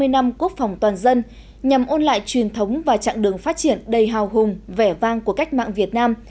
hai mươi năm quốc phòng toàn dân nhằm ôn lại truyền thống và chặng đường phát triển đầy hào hùng vẻ vang của cách mạng việt nam